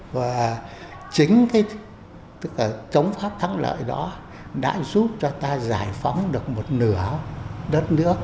và chính cái chống pháp thắng lợi đó đã giúp cho ta giải phóng được một nửa đất nước